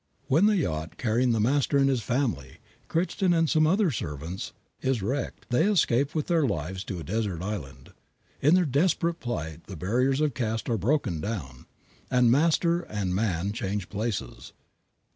When the yacht carrying the master and his family, Crichton and some other servants, is wrecked, they escape with their lives to a desert island. In their desperate plight the barriers of caste are broken down, and master and man change places.